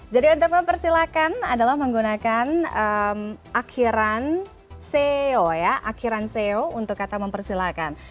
jadi untuk mempersilahkan adalah menggunakan akhiran seo untuk kata mempersilahkan